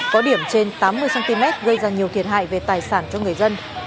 có điểm trên tám mươi cm gây ra nhiều thiệt hại về tài sản cho người dân